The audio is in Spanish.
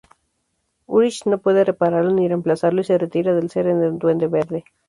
Urich no puede repararlo ni reemplazarlo y se retira de ser el Duende Verde.